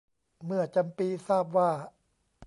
เมื่อจำปีทราบว่า